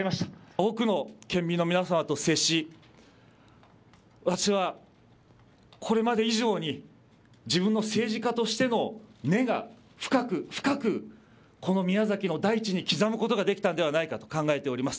多くの県民の皆様と接し私はこれまで以上に自分の政治家としての根が深く深くこの宮崎の大地に刻むことができたんではないかと考えております。